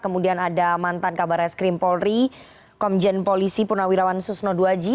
kemudian ada mantan kabar es krim polri komjen polisi purnawirawan susno duwaji